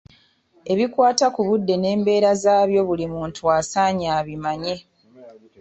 Ebikwata ku budde n'embeera zaabwo buli muntu asaanye abimaye.